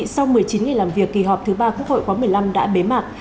sau một mươi chín ngày làm việc kỳ họp thứ ba quốc hội khóa một mươi năm đã bế mạc